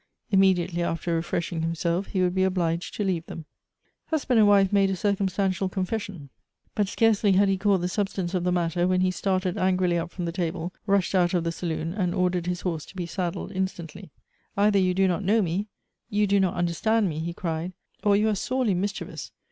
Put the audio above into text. Immediately after refreshing himself he would be obliged to leave them. Husband and wife made a circumstantial confession ; but scarcely had he caught the substance of the matter, when he started angrily up from the table, rushed out of the saloon, and ordered his horee to be saddled instantly. " Either you do not know me, you do not understand me," he cried, " or you ai e sorely mischievous.